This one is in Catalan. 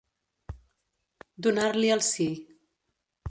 Donar-li el sí.